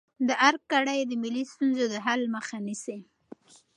د ارګ کړۍ د ملي ستونزو د حل مخه نیسي.